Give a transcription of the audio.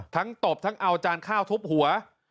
ตบทั้งเอาจานข้าวทุบหัว